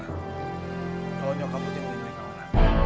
kalau nyokap lo jemputin naurah